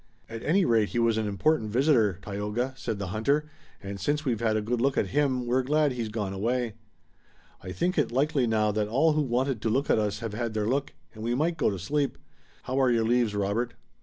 "At any rate, he was an important visitor, Tayoga," said the hunter, "and since we've had a good look at him we're glad he's gone away. I think it likely now that all who wanted to look at us have had their look, and we might go to sleep. How are your leaves, Robert?"